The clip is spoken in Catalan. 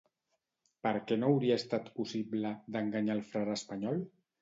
Per què no hauria estat possible d'enganyar el frare espanyol?